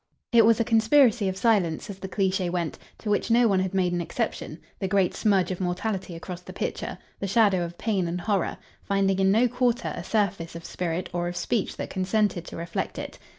It was a conspiracy of silence, as the cliche went, to which no one had made an exception, the great smudge of mortality across the picture, the shadow of pain and horror, finding in no quarter a surface of spirit or of speech that consented to reflect it.